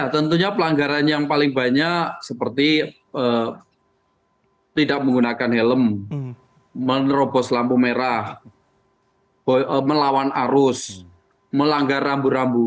tentunya pelanggaran yang paling banyak seperti tidak menggunakan helm menerobos lampu merah melawan arus melanggar rambu rambu